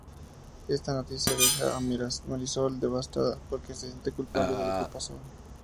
Esta noticia deja a Marisol devastada, porque se siente culpable de lo que pasó.